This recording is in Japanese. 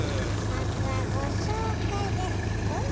まずはご紹介です。